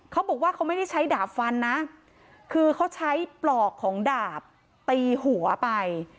เขาบอกว่าเขาไม่ได้ใช้ดาบฟันนะคือเขาใช้ปลอกของดาบตีหัวไป